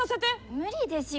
無理ですよ